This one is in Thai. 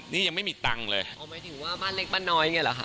นี่ยังไม่มีตังค์เลยอ๋อหมายถึงว่าบ้านเล็กบ้านน้อยไงเหรอคะ